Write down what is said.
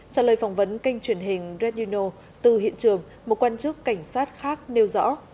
trả lời phỏng vấn kênh truyền hình reduno từ hiện trường một quan chức cảnh sát khác nêu rõ